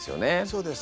そうです。